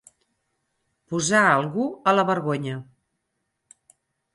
Posar algú a la vergonya.